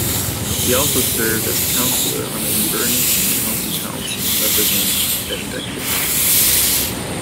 He also served as a councillor on Inverness County Council, representing Benbecula.